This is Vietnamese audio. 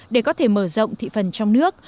để có thể mở rộng thị phần trong nước